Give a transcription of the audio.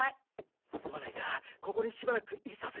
すまないがここにしばらくいさせてくれ。